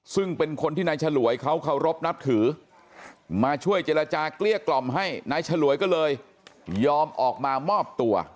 ซึ่งเป็นคนที่นายฉลวยเขาเคารพนับถือมาช่วยเจรจาเกลี้ยกล่อมให้นายฉลวยก็เลยยอมออกมามอบตัว